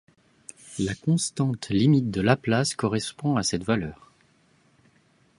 La constante limite de Laplace correspond à cette valeur.